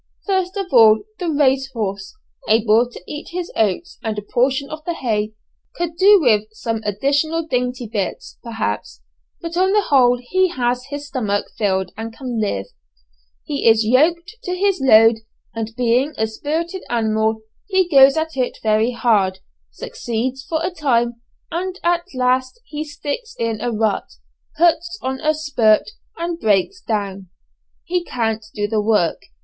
First of all the race horse, able to eat his oats and a portion of the hay, could do with some additional dainty bits, perhaps, but on the whole he has his stomach filled and can live. He is yoked to his load, and being a spirited animal, he goes at it very hard, succeeds for a time; at last he sticks in a rut, puts on a "spurt," and breaks down. He can't do the work.